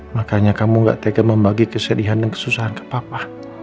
makanya kamu gak tegas membagi kesedihan dan kesusahan ke papa